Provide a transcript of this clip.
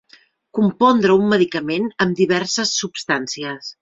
Compondre un medicament amb diverses substàncies.